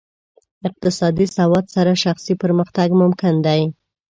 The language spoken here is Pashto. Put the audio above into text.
اقتصادي سواد سره شخصي پرمختګ ممکن دی.